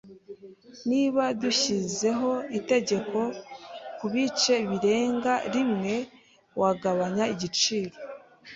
Niba dushyizeho itegeko kubice birenga rimwe, wagabanya igiciro?